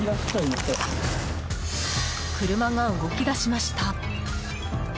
車が動き出しました。